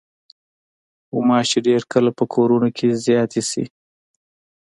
غوماشې ډېر کله په کورونو کې زیاتې شي.